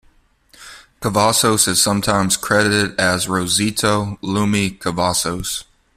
Cavazos is sometimes credited as "Rosita Lumi Cavazos".